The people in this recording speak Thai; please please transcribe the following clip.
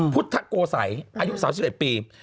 พุทธโกสัยอายุ๓๑ปี